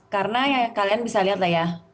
karena ya kalian bisa lihat lah ya